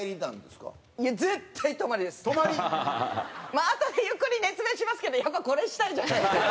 まああとでゆっくり熱弁しますけどやっぱりこれしたいじゃないですか。